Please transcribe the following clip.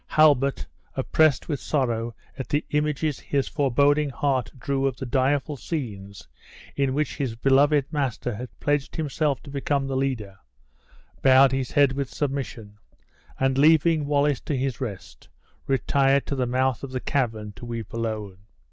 Halbert, oppressed with sorrow at the images his foreboding heart drew of the direful scenes in which his beloved master had pledged himself to become the leader, bowed his head with submission, and, leaving Wallace to his rest, retired to the mouth of the cavern to weep alone.